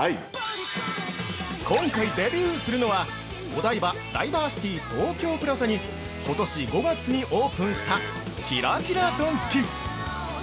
◆今回デビューするのは、お台場ダイバーシティ東京プラザにことし５月にオープンしたキラキラドンキ。